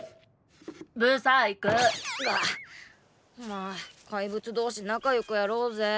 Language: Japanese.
ま怪物同士仲良くやろうぜ。